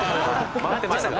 待ってましたと。